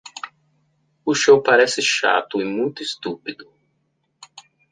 O show parece chato e muito estúpido.